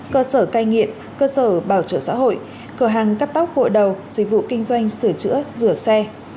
cơ sở cai nghiện cơ sở bảo trợ xã hội cửa hàng cắt tóc vội đầu dịch vụ kinh doanh sửa chữa rửa xe